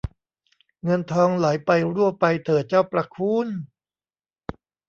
เงินทองไหลไปรั่วไปเถิดเจ้าประคู้น